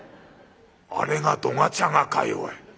「あれがどがちゃがかよおい。